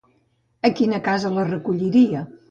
A quina casa la recolliria?